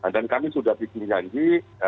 dan kami sudah disini lagi